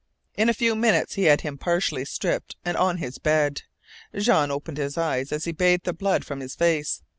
In a few minutes he had him partially stripped and on his bed. Jean opened his eyes as he bathed the blood from his face.